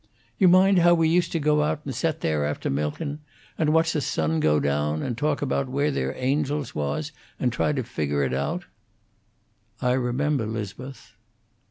You mind how we used to go out and set there, after milkin', and watch the sun go down, and talk about where their angels was, and try to figger it out?" "I remember, 'Liz'beth."